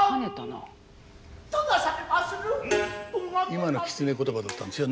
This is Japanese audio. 今の狐詞だったんですよ。